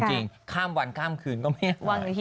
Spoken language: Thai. จริงข้ามวันข้ามคืนก็ไม่หาย